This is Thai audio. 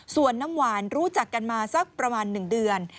ส่วนน้ำหวานรู้จักกันมาสักประมาณ๑เดือน